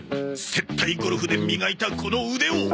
接待ゴルフで磨いたこの腕を！